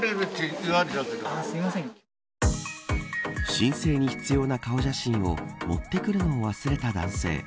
申請に必要な顔写真を持ってくるのを忘れた男性。